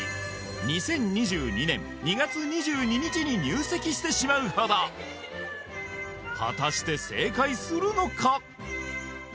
２０２２年２月２２日に入籍してしまうほど果たして正解するのか？